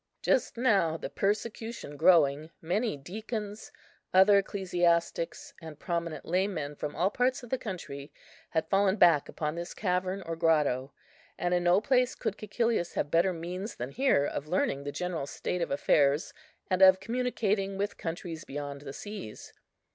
Just now, the persecution growing, many deacons, other ecclesiastics, and prominent laymen from all parts of the country had fallen back upon this cavern or grotto; and in no place could Cæcilius have better means than here of learning the general state of affairs, and of communicating with countries beyond the seas.